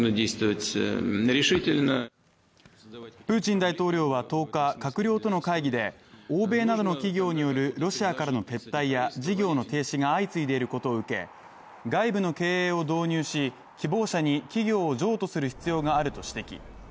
プーチン大統領は１０日、閣僚との会議で欧米などの企業によるロシアからの撤退や事業の停止が相次いでいることを受け、外部の経営を導入し、希望者に企業を譲渡する必要があると指摘。